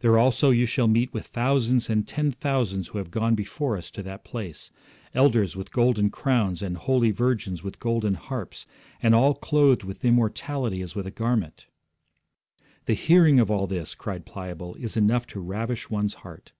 There also you shall meet with thousands and ten thousands who have gone before us to that place. Elders with golden crowns, and holy virgins with golden harps, and all clothed with immortality as with a garment.' 'The hearing of all this,' cried Pliable, 'is enough to ravish one's heart.'